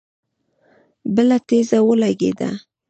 بله تيږه ولګېده.